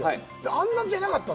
あんなじゃなかった。